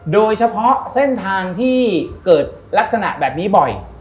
โดยเฉพาะเส้นทางที่เกิดลักษณะแบบนี้บ่อย